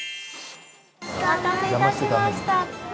お待たせいたしました。